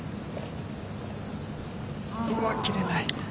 切れない。